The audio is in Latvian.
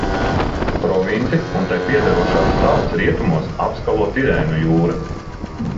Provinci un tai piederošās salas rietumos apskalo Tirēnu jūra.